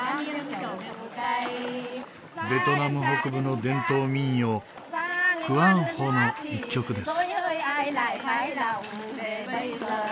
ベトナム北部の伝統民謡クアンホの一曲です。